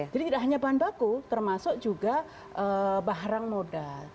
jadi tidak hanya bahan baku termasuk juga barang modal